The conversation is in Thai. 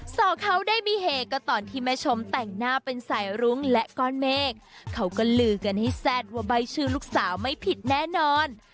สาวเขาได้มีเฮก็ตอนที่แม่ชมแต่งหน้าเป็นสายรุ้งและก้อนเมฆเขาก็ลือกันให้แซ่ดว่าใบชื่อลูกสาวไม่ผิดแน่นอน